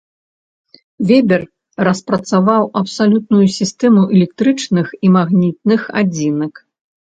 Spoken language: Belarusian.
Вебер распрацаваў абсалютную сістэму электрычных і магнітных адзінак.